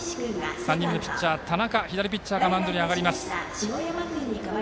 ３人目のピッチャー田中がマウンドに上がります。